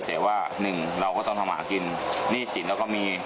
แต่ว่าหนึ่งเราก็ต้องทำหากินหนี้สินเราก็มี